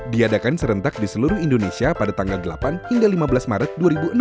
diadakan serentak di seluruh indonesia pada tanggal delapan hingga lima belas maret dua ribu enam belas